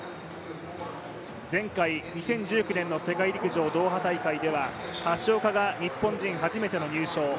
前回２０１９年の世界陸上ドーハ大会では橋岡が日本人初めての入賞。